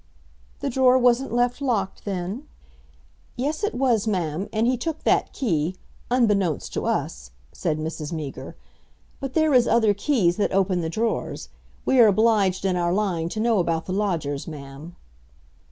"The drawer wasn't left locked, then?" "Yes, it was, Ma'am, and he took that key unbeknownst to us," said Mrs. Meager. "But there is other keys that open the drawers. We are obliged in our line to know about the lodgers, Ma'am."